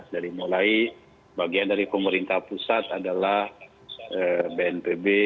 dari mulai bagian dari pemerintah pusat adalah bnpb